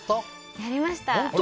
やりました！